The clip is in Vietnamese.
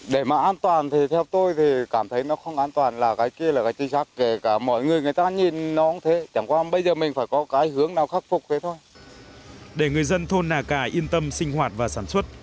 để người dân thôn nà cải yên tâm sinh hoạt và sản xuất